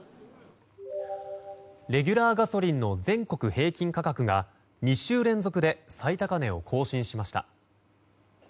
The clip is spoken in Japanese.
レギュラーガソリンの全国平均価格が２週連続で最高値を更新しました。